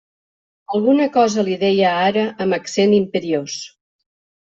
Alguna cosa li deia ara amb accent imperiós.